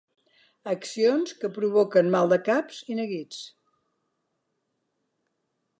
Accions que provoquen maldecaps i neguits.